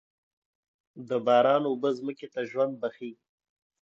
د باران اوبه ځمکې ته ژوند بښي.